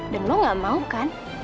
dan lo gak mau kan